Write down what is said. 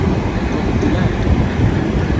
krokodilanto